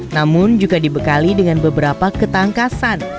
namun juga dibekali dengan beberapa ketangkasan